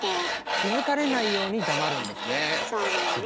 気付かれないように黙るんですね。